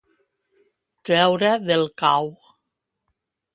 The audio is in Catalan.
Treure del cau.